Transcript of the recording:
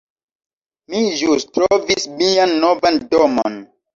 Mi ĵus trovis mian novan domon